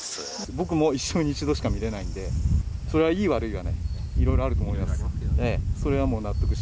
僕も一生に一度しか見れないので、それは、いい悪いはいろいろあると思います。